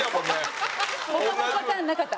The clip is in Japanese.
他のパターンなかった？